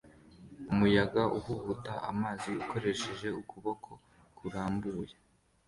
Umuyaga uhuhuta amazi ukoresheje ukuboko kurambuye